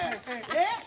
えっ！？